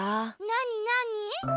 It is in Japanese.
なになに？